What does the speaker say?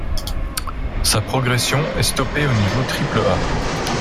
Sa progression est stoppée au niveau Triple-A.